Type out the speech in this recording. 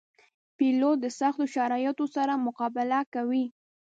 پیلوټ د سختو شرایطو سره مقابله کوي.